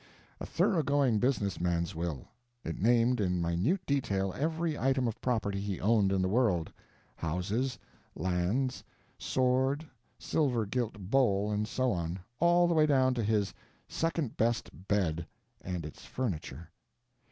A thoroughgoing business man's will. It named in minute detail every item of property he owned in the world—houses, lands, sword, silver gilt bowl, and so on—all the way down to his "second best bed" and its furniture.